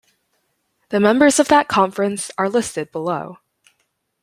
The members of that conference are listed below.